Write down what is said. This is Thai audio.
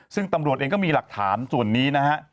ซึ่งตำรวจเองก็มีหลักฐานส่วนนี้นะฮะ